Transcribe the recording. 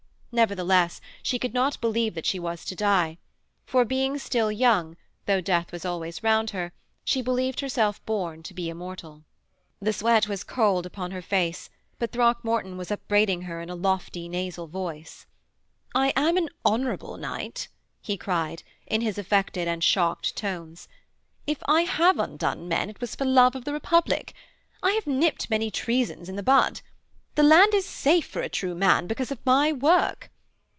Nevertheless, she could not believe that she was to die: for being still young, though death was always round her, she believed herself born to be immortal. The sweat was cold upon her face; but Throckmorton was upbraiding her in a lofty nasal voice. 'I am an honourable knight,' he cried, in his affected and shocked tones. 'If I have undone men, it was for love of the republic. I have nipped many treasons in the bud. The land is safe for a true man, because of my work.'